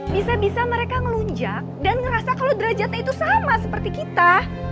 bisa bisa mereka ngelunjak dan ngerasa kalau derajatnya itu sama seperti kita